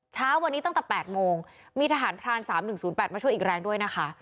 เช้าวันนี้ตั้งแต่๘โมงมีทหารพราน๓๑๐๘มาช่วยอีกแรงด้วยนะคะ